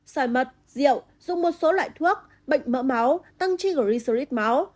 xoài mật rượu dùng một số loại thuốc bệnh mỡ máu tăng chí gửi xô rít máu